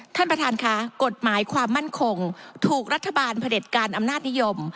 ท่านประธานค่ะกฎหมายความมั่นคงถูกรัฐบาลเผด็จการอำนาจนิยม